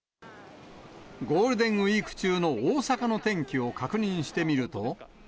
ゴールデンウィーク中の大阪の天気を確認してみると。